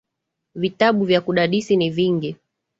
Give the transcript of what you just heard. Vitabu vya kudadisi ni vingi.